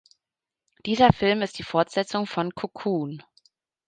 Dieser Film ist die Fortsetzung von "Cocoon".